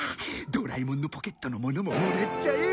ドラえもんのポケットのものももらっちゃえ！